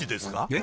え？